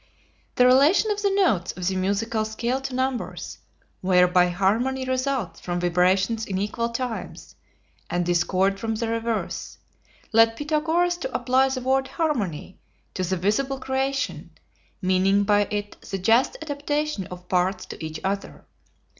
The relation of the notes of the musical scale to numbers, whereby harmony results from vibrations in equal times, and discord from the reverse, led Pythagoras to apply the word "harmony" to the visible creation, meaning by it the just adaptation of parts to each other.